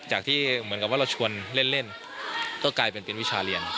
จากที่เหมือนกับว่าเราชวนเล่นก็กลายเป็นเป็นวิชาเรียน